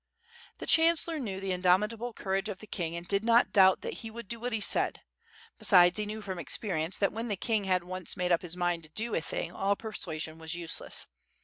The chancellor knew the indomitable courage of the king and did not doubt that he would do what he said. Besides he knew from experience that when the king had once made up his mind to do a thing all persuasion was useless.